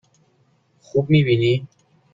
خوب می بینی؟